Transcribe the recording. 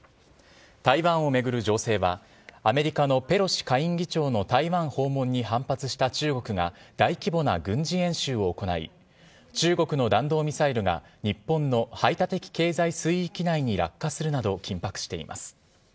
台湾を巡る情勢はアメリカのペロシ下院議長の台湾訪問に反発した中国が大規模な軍事演習を行い中国の弾道ミサイルが日本の排他的経済水域内に落下するなど緊迫しています。